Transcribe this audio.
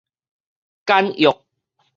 簡約